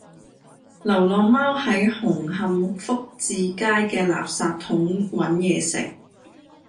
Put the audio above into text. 流浪貓喺紅磡福至街嘅垃圾桶搵野食